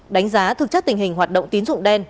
đánh giá thực chất tình hình hoạt động tín dụng đen